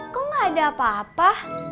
kok gak ada apa apa